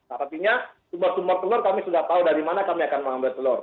artinya sumber sumber telur kami sudah tahu dari mana kami akan mengambil telur